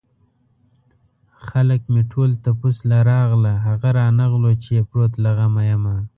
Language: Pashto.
خلک مې ټول تپوس له راغله هغه رانغلو چې يې پروت له غمه يمه